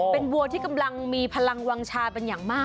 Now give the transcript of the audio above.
เป็นวัวที่กำลังมีพลังวางชาเป็นอย่างมาก